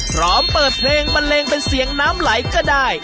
พร้อมเปิดเพลงบันเลงเป็นเสียงน้ำไหลก็ได้